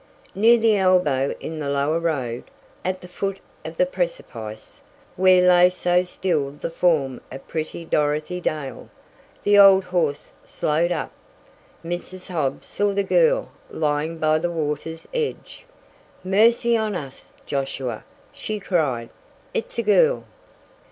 Near the elbow in the lower road, at the foot of the precipice, where lay so still the form of pretty Dorothy Dale, the old horse slowed up. Mrs. Hobbs saw the girl lying by the water's edge. "Mercy on us, Josiah!" she cried. "It's a girl!"